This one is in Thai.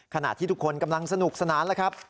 ขณะที่ทุกคนกำลังสนุกสนานแล้วครับ